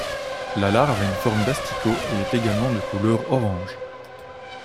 La larve a une forme d'asticot et est également de couleur orange.